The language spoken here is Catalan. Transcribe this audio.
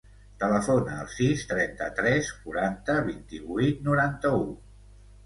Telefona al sis, trenta-tres, quaranta, vint-i-vuit, noranta-u.